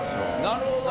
なるほど。